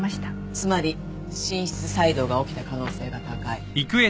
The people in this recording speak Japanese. つまり心室細動が起きた可能性が高い。